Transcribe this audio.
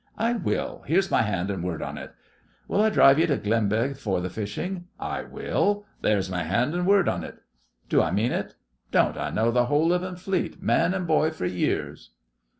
I will. Here's my hand an' word on it. Will I dhrive ye to Glenbeg for the fishing? I will. There's my hand an' word on it. Do I mean it? Don't I know the whole livin' fleet, man an' boy, for years?